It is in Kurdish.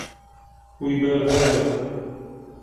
Wî berdaye.